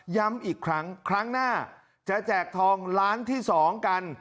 ย้ำอีกครั้งครั้งหน้าจะแจกทองล้านที่๒กัน